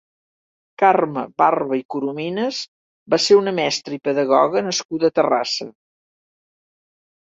Carme Barba i Corominas va ser una mestra i pedagoga nascuda a Terrassa.